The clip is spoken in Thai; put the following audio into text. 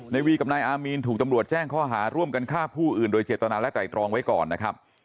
วีกับนายอามีนถูกตำรวจแจ้งข้อหาร่วมกันฆ่าผู้อื่นโดยเจตนาและไตรตรองไว้ก่อนนะครับ